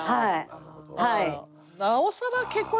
なるほど。